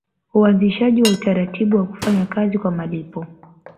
Uanzishaji wa utaratibu wa kufanya kazi kwa malipo